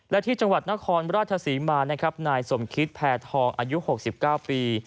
และที่จังหวัดนครราชศรีมานะครับนายสมคิตแพทองอายุ๖๙ปี